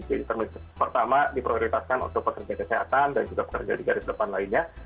jadi termin pertama diprioritaskan untuk pekerja kesehatan dan juga pekerja di garis depan lainnya